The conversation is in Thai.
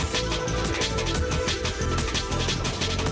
ขอบคุณครับ